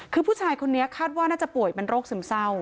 คือผู้ชายคนนี้คาดว่าน่าจะป่วยเป็นโรคซึมเศร้า